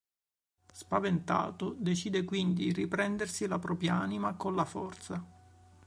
Spaventato, decide quindi di riprendersi la propria anima con la forza.